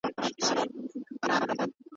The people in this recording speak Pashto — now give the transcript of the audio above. دا پروژه بدیل برابروي.